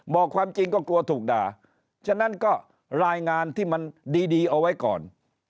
บอกความจริงก็กลัวถูกด่าฉะนั้นก็รายงานที่มันดีเอาไว้ก่อน